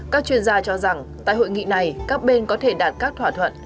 các chuyên gia cho rằng tại hội nghị này các bên có thể đạt các thỏa thuận